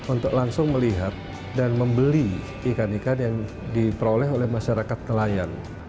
untuk langsung melihat dan membeli ikan ikan yang diperoleh oleh masyarakat nelayan